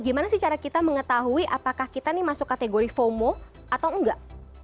gimana sih cara kita mengetahui apakah kita ini masuk kategori fomo atau enggak